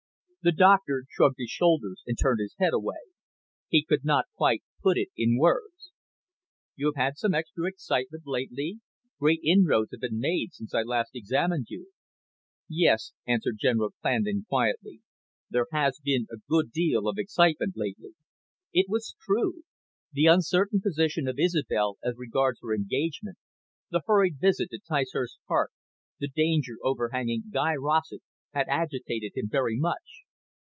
The doctor shrugged his shoulders and turned his head away. He could not quite put it in words. "You have had some extra excitement lately? Great inroads have been made since I last examined you." "Yes," answered General Clandon quietly, "there has been a good deal of excitement lately." It was true. The uncertain position of Isobel as regards her engagement, the hurried visit to Ticehurst Park, the danger overhanging Guy Rossett had agitated him very much.